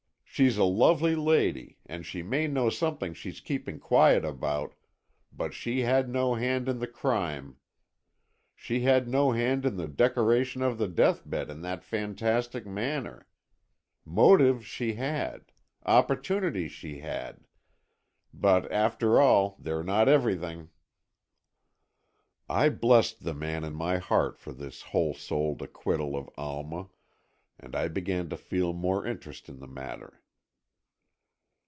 She's a lovely lady, and she may know something she's keeping quiet about, but she had no hand in the crime. She had no hand in the decoration of the deathbed in that fantastic manner. Motive she had, opportunity she had, but after all they're not everything." I blessed the man in my heart for this whole souled acquittal of Alma, and I began to feel more interest in the matter.